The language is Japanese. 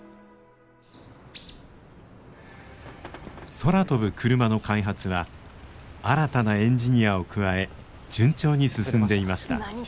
空飛ぶクルマの開発は新たなエンジニアを加え順調に進んでいました。